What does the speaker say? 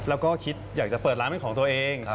แล้วก็คิดอยากจะเปิดร้านเป็นของตัวเอง